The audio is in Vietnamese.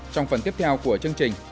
trong phần tiếp theo của chương trình